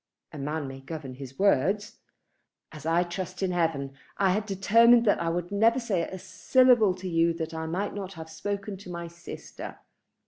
"A man may govern his words." "As I trust in heaven, I had determined that I would never say a syllable to you that I might not have spoken to my sister.